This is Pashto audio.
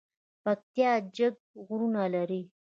پکتیا جګ غرونه لري